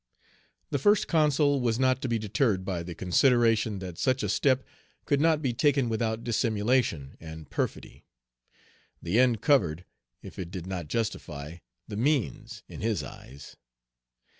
The First Consul was not to be deterred by the consideration that such a step could not be taken without dissimulation and perfidy. The end covered, if it did not justify, the means, in his eyes.